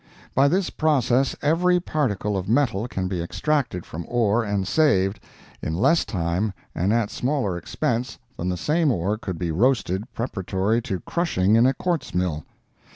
By this process every particle of metal can be extracted from ore and saved, in less time and at smaller expense than the same ore could be roasted preparatory to crushing in a quartz mill.